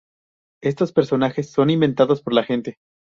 Estos personajes son inventados por la gente.